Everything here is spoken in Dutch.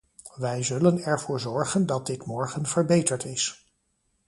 Wij zullen ervoor zorgen dat dit morgen verbeterd is.